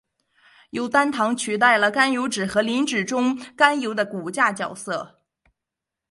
由单糖取代了甘油酯和磷脂中甘油的骨架角色。